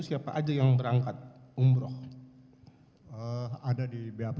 siapa aja yang berangkat umroh ada di bap